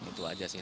itu aja sih